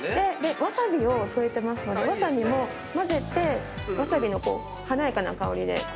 わさびを添えてますのでわさびもまぜてわさびの華やかな香りで。